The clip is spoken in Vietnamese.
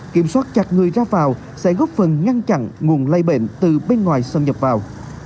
kiểm soát chặt người ra vào sẽ góp phần ngăn chặn nguồn lây bệnh từ bên ngoài xâm nhập vào